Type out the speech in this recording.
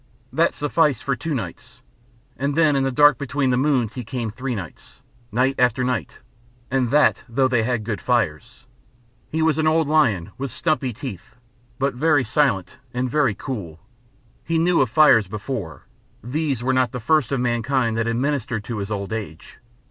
That sufficed for two nights. And then in the dark between the moons he came three nights, night after night, and that though they had good fires. He was an old lion with stumpy teeth, but very silent and very cool; he knew of fires before; these were not the first of mankind that had ministered to his old age.